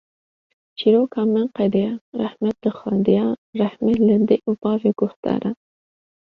Çîroka me qediya, Rehmet li xwediya, rehme li dê û bavê guhdaran